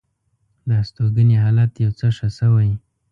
د هستوګنې حالت یو څه ښه شوی.